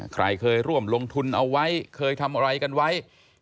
ใครเคยร่วมลงทุนเอาไว้เคยทำอะไรกันไว้